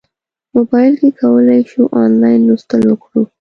موبایل کې کولی شو انلاین لوستل وکړو.